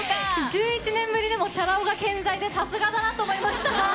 １１年ぶりでもチャラ男が健在でさすがだなと思いました。